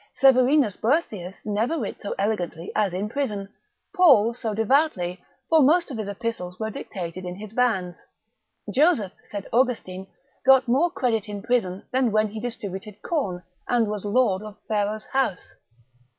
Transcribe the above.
Severinus Boethius never writ so elegantly as in prison, Paul so devoutly, for most of his epistles were dictated in his bands: Joseph, saith Austin, got more credit in prison, than when he distributed corn, and was lord of Pharaoh's house.